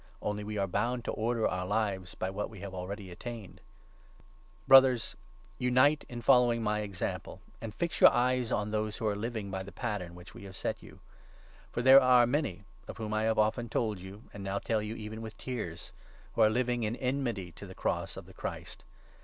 Only we are bound to order our lives by what we have 16 already attained. The Brothers, unite in following my example, and 17 Apostle's fix your eyes on those who are living by the Example, pattern which we have set you. For there are 18 many — of whom I have often told you, and now tell you even with tears — who are living in enmity to the cross of the Christ.